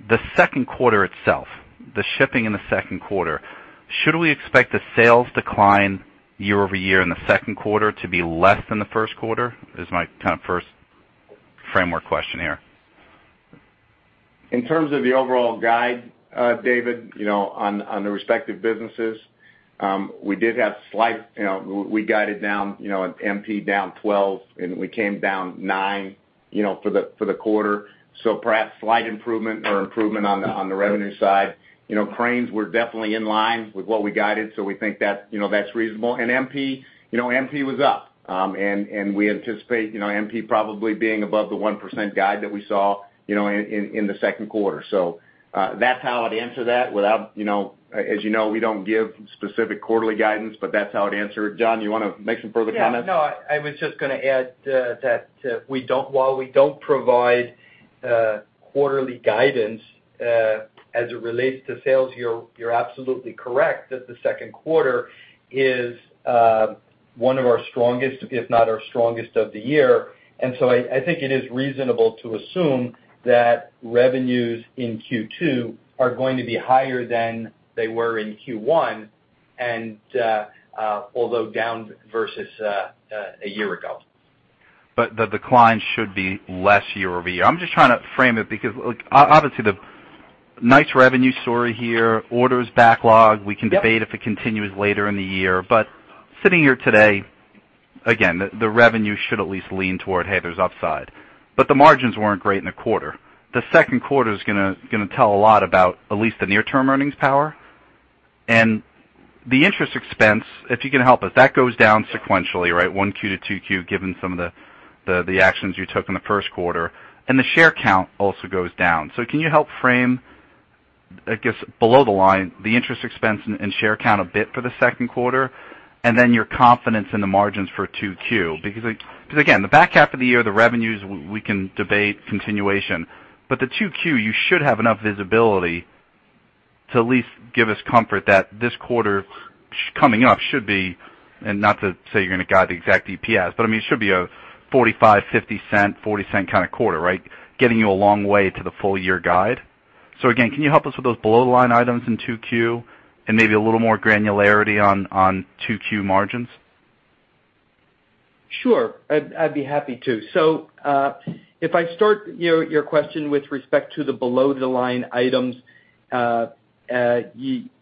Speaker 10: the second quarter itself, the shipping in the second quarter, should we expect the sales decline year-over-year in the second quarter to be less than the first quarter? Is my kind of first framework question here.
Speaker 3: In terms of the overall guide, David, on the respective businesses, we guided down MP down 12%, and we came down 9% for the quarter. Perhaps slight improvement or improvement on the revenue side. Cranes were definitely in line with what we guided, so we think that's reasonable. MP was up. We anticipate MP probably being above the 1% guide that we saw in the second quarter. That's how I'd answer that. As you know, we don't give specific quarterly guidance, but that's how I'd answer it. John, you want to make some further comments?
Speaker 4: Yeah. No, I was just going to add that while we don't provide quarterly guidance, as it relates to sales, you're absolutely correct that the second quarter is one of our strongest, if not our strongest of the year. I think it is reasonable to assume that revenues in Q2 are going to be higher than they were in Q1, although down versus a year ago.
Speaker 10: the decline should be less year-over-year. I'm just trying to frame it because, obviously, the nice revenue story here, orders backlog.
Speaker 3: Yep
Speaker 10: we can debate if it continues later in the year. Sitting here today, again, the revenue should at least lean toward, hey, there's upside. The margins weren't great in the quarter. The second quarter's going to tell a lot about at least the near-term earnings power. The interest expense, if you can help us, that goes down sequentially, right? 1Q to 2Q, given some of the actions you took in the first quarter. The share count also goes down. Can you help frame, I guess, below the line, the interest expense and share count a bit for the second quarter, and then your confidence in the margins for 2Q? Again, the back half of the year, the revenues, we can debate continuation. the 2Q, you should have enough visibility to at least give us comfort that this quarter coming up should be, and not to say you're going to guide the exact EPS, but it should be a $0.45, $0.50, $0.40 kind of quarter, right? Getting you a long way to the full-year guide. Again, can you help us with those below-the-line items in 2Q, and maybe a little more granularity on 2Q margins?
Speaker 4: Sure. I'd be happy to. If I start your question with respect to the below the line items,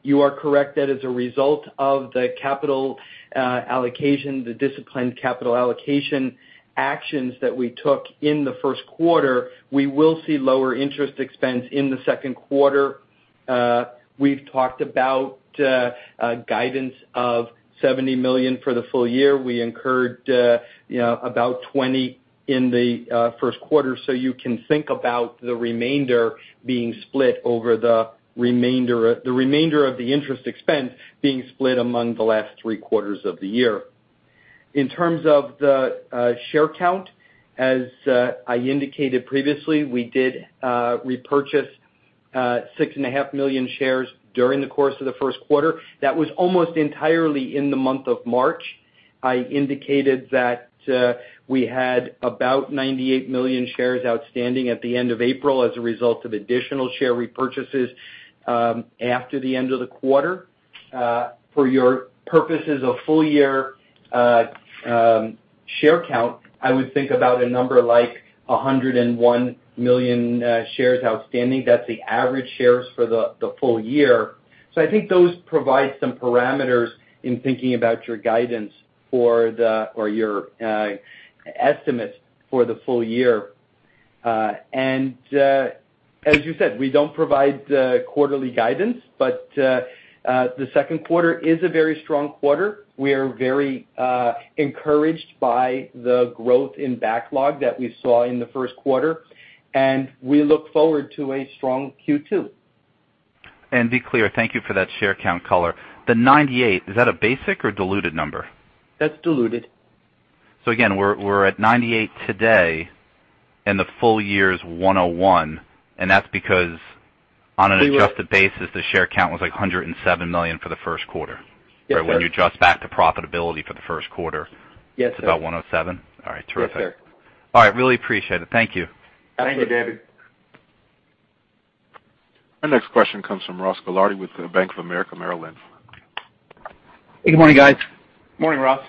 Speaker 4: you are correct that as a result of the capital allocation, the disciplined capital allocation actions that we took in the first quarter, we will see lower interest expense in the second quarter. We've talked about guidance of $70 million for the full year. We incurred about $20 million in the first quarter, so you can think about the remainder of the interest expense being split among the last three quarters of the year. In terms of the share count, as I indicated previously, we did repurchase 6.5 million shares during the course of the first quarter. That was almost entirely in the month of March. I indicated that we had about 98 million shares outstanding at the end of April as a result of additional share repurchases after the end of the quarter. For your purposes of full-year share count, I would think about a number like 101 million shares outstanding. That's the average shares for the full year. I think those provide some parameters in thinking about your guidance or your estimates for the full year. As you said, we don't provide quarterly guidance, but the second quarter is a very strong quarter. We are very encouraged by the growth in backlog that we saw in the first quarter, and we look forward to a strong Q2.
Speaker 10: Be clear, thank you for that share count color. The 98, is that a basic or diluted number?
Speaker 4: That's diluted.
Speaker 10: Again, we're at 98 today and the full year is 101, and that's because on an adjusted basis, the share count was like 107 million for the first quarter.
Speaker 4: Yes, sir.
Speaker 10: When you adjust back to profitability for the first quarter.
Speaker 4: Yes, sir.
Speaker 10: it's about 107? All right. Terrific.
Speaker 4: Yes, sir.
Speaker 10: All right. Really appreciate it. Thank you.
Speaker 3: Thank you, David.
Speaker 1: Our next question comes from Ross Gilardi with Bank of America Merrill Lynch.
Speaker 11: Good morning, guys.
Speaker 3: Morning, Ross.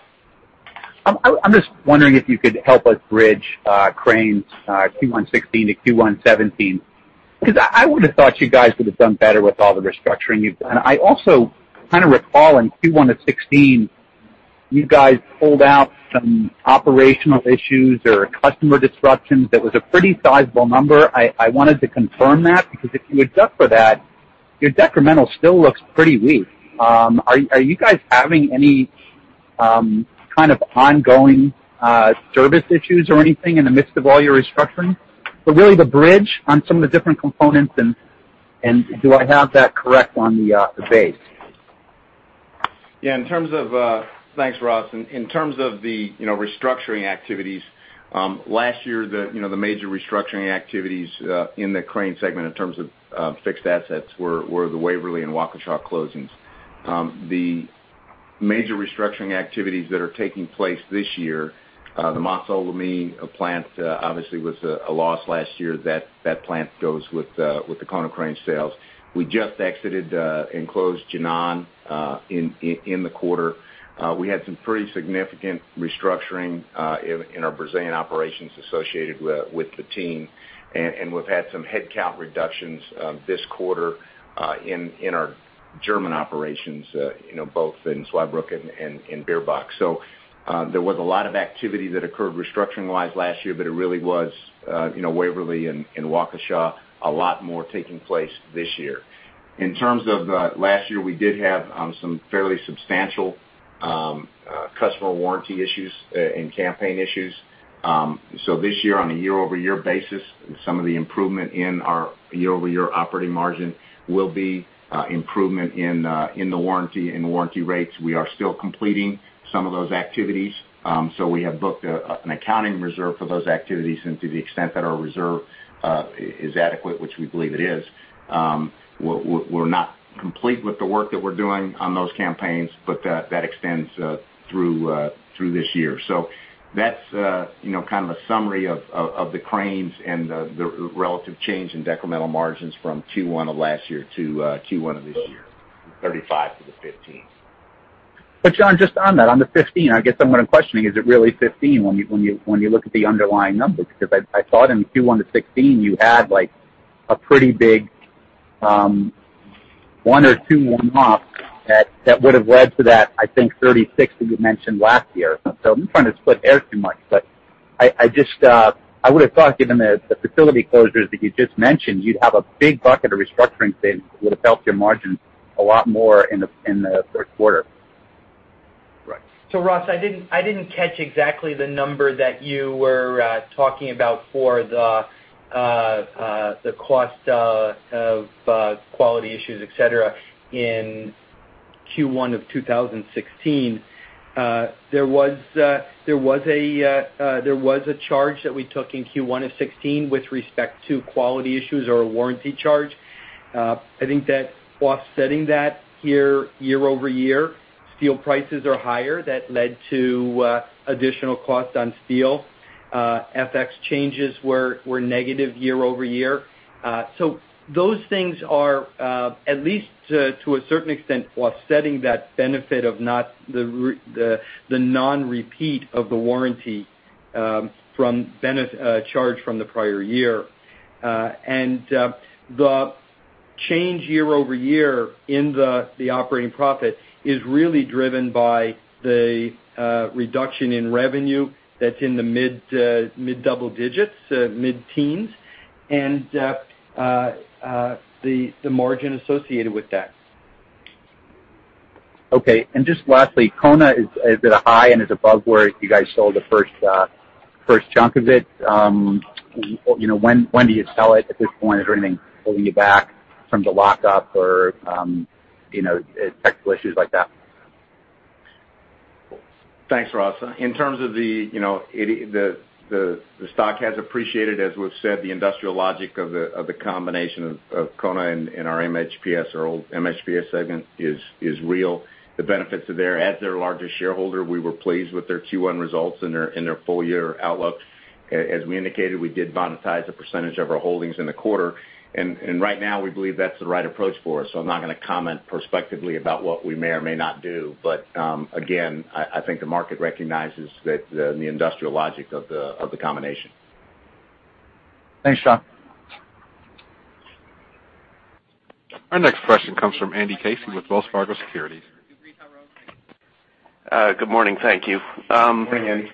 Speaker 11: I'm just wondering if you could help us bridge Cranes Q1 2016 to Q1 2017, because I would have thought you guys would have done better with all the restructuring you've done. I also kind of recall in Q1 2016, you guys pulled out some operational issues or customer disruptions that was a pretty sizable number. I wanted to confirm that, because if you adjust for that, your decremental still looks pretty weak. Are you guys having any kind of ongoing service issues or anything in the midst of all your restructuring? Really the bridge on some of the different components and do I have that correct on the base?
Speaker 3: Yeah. Thanks, Ross. In terms of the restructuring activities, last year, the major restructuring activities in the Crane segment in terms of fixed assets were the Waverly and Waukesha closings. The major restructuring activities that are taking place this year, the Montceau-les-Mines plant obviously was a loss last year. That plant goes with the Konecranes sales. We just exited and closed Jinan in the quarter. We had some pretty significant restructuring in our Brazilian operations associated with the team, and we've had some headcount reductions this quarter in our German operations, both in Zweibrücken and Bierbach. There was a lot of activity that occurred restructuring-wise last year, but it really was Waverly and Waukesha, a lot more taking place this year. In terms of last year, we did have some fairly substantial customer warranty issues and campaign issues. This year, on a year-over-year basis, some of the improvement in our year-over-year operating margin will be improvement in the warranty and warranty rates. We are still completing some of those activities. We have booked an accounting reserve for those activities, and to the extent that our reserve is adequate, which we believe it is, we're not complete with the work that we're doing on those campaigns, but that extends through this year. That's kind of a summary of the Cranes and the relative change in decremental margins from Q1 of last year to Q1 of this year, from 35% to the 15%.
Speaker 11: John, just on that, on the 15%, I guess I'm questioning, is it really 15% when you look at the underlying numbers? Because I thought in Q1 of 2016, you had a pretty big one or two one-offs that would have led to that, I think, 36% that you mentioned last year. I'm trying to split hairs too much, but I would have thought given the facility closures that you just mentioned, you'd have a big bucket of restructuring saves that would have helped your margins a lot more in the third quarter.
Speaker 3: Right.
Speaker 4: Ross, I didn't catch exactly the number that you were talking about for the cost of quality issues, et cetera, in Q1 of 2016. There was a charge that we took in Q1 of 2016 with respect to quality issues or a warranty charge. I think that offsetting that year-over-year, steel prices are higher. That led to additional cost on steel. FX changes were negative year-over-year. Those things are at least to a certain extent offsetting that benefit of the non-repeat of the warranty charge from the prior year. The change year-over-year in the operating profit is really driven by the reduction in revenue that's in the mid-double digits, mid-teens, and the margin associated with that.
Speaker 11: Okay. Just lastly, Konecranes, is it a high and is above where you guys sold the first chunk of it? When do you sell it at this point? Is there anything holding you back from the lockup or technical issues like that?
Speaker 3: Thanks, Ross. In terms of the stock has appreciated, as we've said, the industrial logic of the combination of Kone and our MHPS, our old MHPS segment is real. The benefits are there. As their largest shareholder, we were pleased with their Q1 results and their full year outlook. As we indicated, we did monetize a percentage of our holdings in the quarter, right now we believe that's the right approach for us. I'm not going to comment perspectively about what we may or may not do. Again, I think the market recognizes the industrial logic of the combination.
Speaker 11: Thanks, John.
Speaker 1: Our next question comes from Andrew Casey with Wells Fargo Securities.
Speaker 12: Good morning. Thank you.
Speaker 3: Morning, Andy.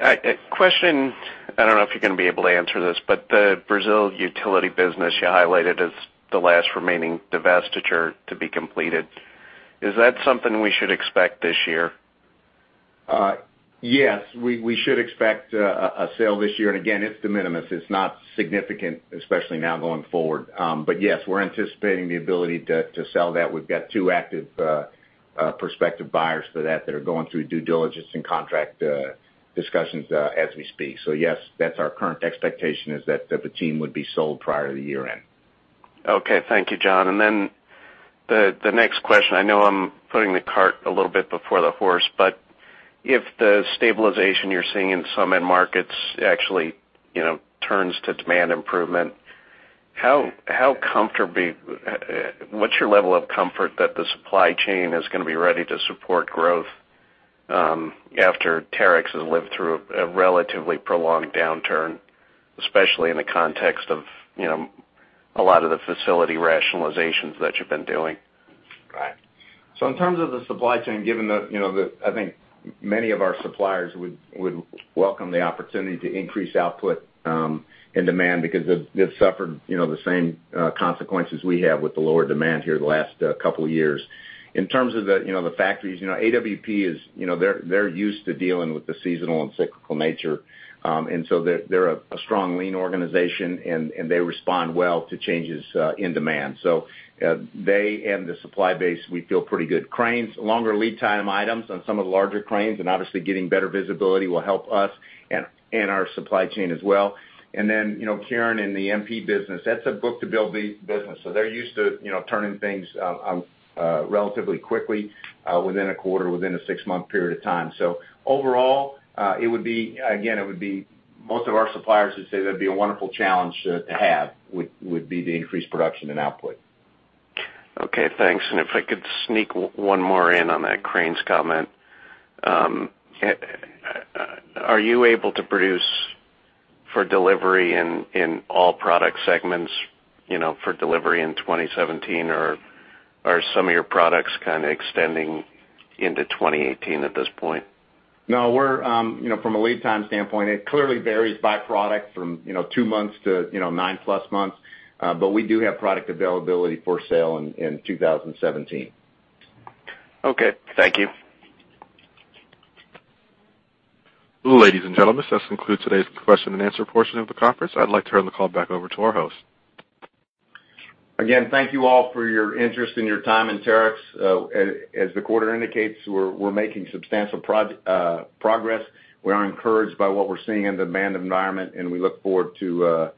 Speaker 12: A question, I don't know if you're going to be able to answer this, but the Brazil utility business you highlighted as the last remaining divestiture to be completed. Is that something we should expect this year?
Speaker 3: Yes. We should expect a sale this year. Again, it's de minimis. It's not significant, especially now going forward. Yes, we're anticipating the ability to sell that. We've got two active prospective buyers for that that are going through due diligence and contract discussions as we speak. Yes, that's our current expectation is that the team would be sold prior to year-end.
Speaker 12: Okay. Thank you, John. The next question, I know I'm putting the cart a little bit before the horse, but if the stabilization you're seeing in some end markets actually turns to demand improvement, what's your level of comfort that the supply chain is going to be ready to support growth after Terex has lived through a relatively prolonged downturn, especially in the context of a lot of the facility rationalizations that you've been doing?
Speaker 3: Right. In terms of the supply chain, given that I think many of our suppliers would welcome the opportunity to increase output and demand because they've suffered the same consequences we have with the lower demand here the last couple of years. In terms of the factories, AWP, they're used to dealing with the seasonal and cyclical nature. They're a strong lean organization and they respond well to changes in demand. They and the supply base, we feel pretty good. Cranes, longer lead time items on some of the larger cranes and obviously getting better visibility will help us and our supply chain as well. Then, Kieran in the MP business, that's a book-to-bill business. They're used to turning things relatively quickly within a quarter, within a six-month period of time. Overall, again, most of our suppliers would say that'd be a wonderful challenge to have, would be the increased production and output.
Speaker 12: Okay, thanks. If I could sneak one more in on that cranes comment. Are you able to produce for delivery in all product segments for delivery in 2017 or are some of your products kind of extending into 2018 at this point?
Speaker 3: No. From a lead time standpoint, it clearly varies by product from two months to nine plus months. We do have product availability for sale in 2017.
Speaker 12: Okay. Thank you.
Speaker 1: Ladies and gentlemen, this concludes today's question and answer portion of the conference. I'd like to turn the call back over to our host.
Speaker 3: Again, thank you all for your interest and your time in Terex. As the quarter indicates, we're making substantial progress. We are encouraged by what we're seeing in the demand environment and we look forward to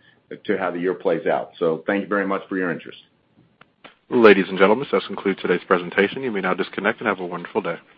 Speaker 3: how the year plays out. Thank you very much for your interest.
Speaker 1: Ladies and gentlemen, this concludes today's presentation. You may now disconnect and have a wonderful day.